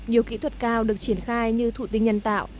nhiều kỹ thuật cao được triển khai như thụ tinh nhân tạo